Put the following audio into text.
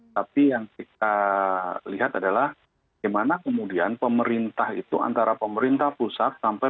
tapi yang kita lihat adalah bagaimana kemudian pemerintah itu antara pemerintah pusat sampai